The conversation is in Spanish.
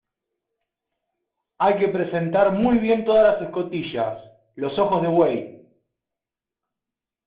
hay que presentar muy bien todas las escotillas, los ojos de buey